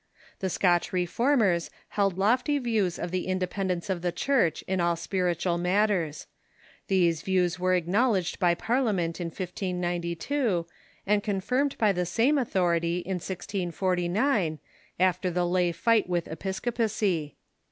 The Scotch Reformers held lofty views of the independence of the Church in all spiritual matters. These views were acknowledged by Parliament in 1592, and confirmed by the same authority in 1649, after the lay fight with episcopacy.